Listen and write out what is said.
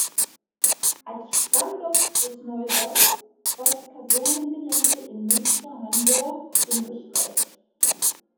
Als Standort des Neubaus war das Kasernengelände in Münster-Handorf im Gespräch.